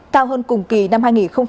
cao hơn cùng kỳ năm hai nghìn một mươi tám